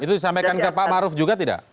itu disampaikan ke pak maruf juga tidak